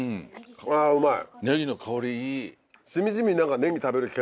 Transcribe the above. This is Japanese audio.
あうまい。